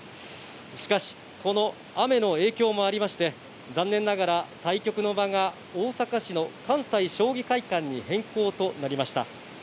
しかし、この雨の影響もありまして、残念ながら対局の場が、大阪市の関西将棋会館に変更となりました。